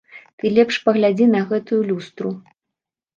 Ты лепш паглядзі на гэтую люстру.